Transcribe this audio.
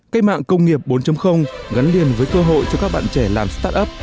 cách mạng công nghiệp bốn gắn liền với cơ hội cho các bạn trẻ làm start up